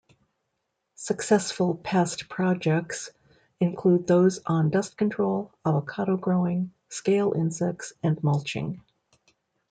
Successful past projects include those on dust control, avocado growing, scale insects, and mulching.